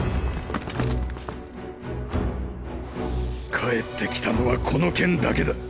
帰ってきたのはこの剣だけだ。